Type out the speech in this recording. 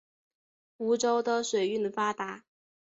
梧州的水运发达。